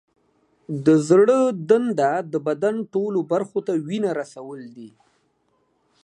د زړه دنده د بدن ټولو برخو ته وینه رسول دي.